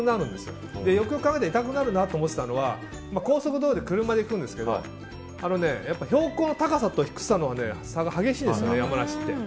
よくよく考えたら痛くなるなと思ってたのは高速道路を車で行くんですけど標高の高さと低さの差が激しいんです、山梨って。